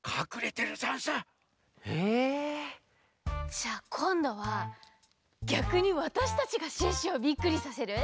じゃあこんどはぎゃくにわたしたちがシュッシュをビックリさせる？